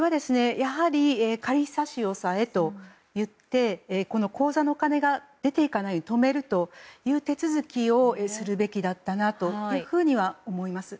仮差し押さえといいまして口座のお金が出て行かない止めるという手続きをするべきだったなと思います。